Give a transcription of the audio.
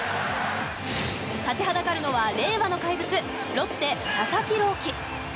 立ちはだかるのは令和の怪物ロッテ、佐々木朗希。